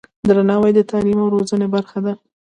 درناوی د تعلیم او روزنې برخه ده.